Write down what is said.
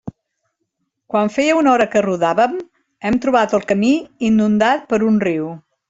Quan feia una hora que rodàvem, hem trobat el camí inundat per un riu.